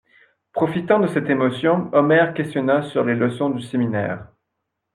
Profitant de cette émotion, Omer questionna sur les leçons du séminaire.